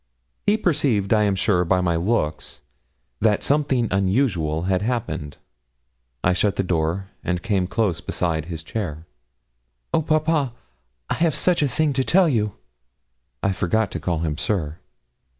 He perceived, I am sure, by my looks, that something unusual had happened. I shut the door, and came close beside his chair. 'Oh, papa, I have such a thing to tell you!' I forgot to call him 'Sir.'